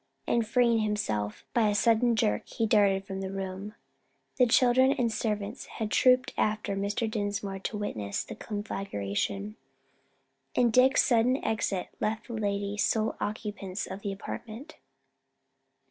And freeing himself by a sudden jerk, he darted from the room. Children and servants had trooped after Mr. Dinsmore to witness the conflagration, and Dick's sudden exit left the ladies sole occupants of the apartment.